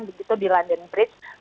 begitu di london bridge